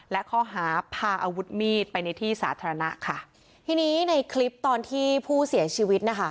และข้อหาพาอาวุธมีดไปในที่สาธารณะค่ะทีนี้ในคลิปตอนที่ผู้เสียชีวิตนะคะ